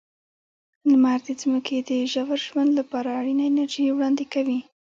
لمر د ځمکې د ژور ژوند لپاره اړینه انرژي وړاندې کوي.